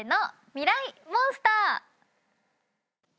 ミライ☆モンスター！